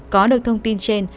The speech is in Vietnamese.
có được thông tin trên